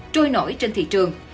trôi nổi trên thị trường